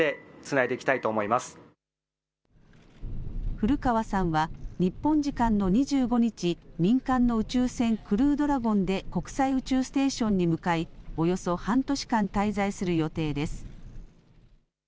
古川さんは日本時間の２５日、民間の宇宙船、クルードラゴンで国際宇宙ステーションに向かい、およそ半年間滞在する予定です。